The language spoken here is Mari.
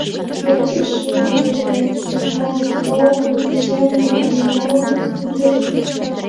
Кӧргӧ шыдыже тӱжвак толкын семын ровалт лектын.